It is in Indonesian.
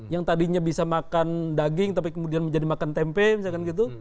yang tadinya bisa makan daging tapi kemudian menjadi makan tempe misalkan gitu